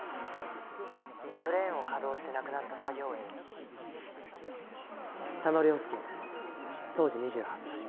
「クレーンを稼働して亡くなった作業員」佐野良介当時２８歳。